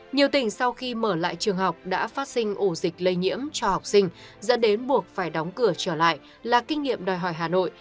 nhiều tỉnh sau khi mở lại trường học đã phát sinh ổ dịch lây nhiễm cho học sinh dẫn đến buộc phải đóng cửa trở lại là kinh nghiệm đòi hỏi hà nội